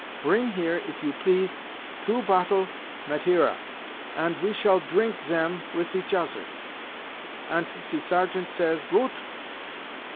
Pring here, if you please, two pottle Mateira, ant we shall trink zem wis each oser.' Ant ze sergeant says, 'Goot!